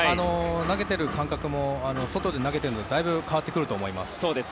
投げてる感覚も外で投げているのとだいぶ変わってくると思います。